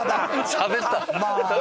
しゃべった！